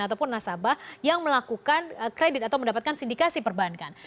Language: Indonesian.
ataupun nasabah yang melakukan kredit atau mendapatkan sindikasi perbankan